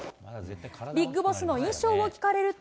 ビッグボスの印象を聞かれると。